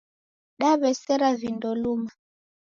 Daw'esera vindo luma